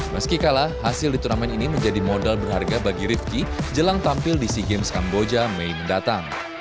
meski kalah hasil di turnamen ini menjadi modal berharga bagi rivki jelang tampil di sea games kamboja mei mendatang